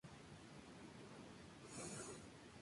Andrews contrató a Kurstin como pianista para el álbum.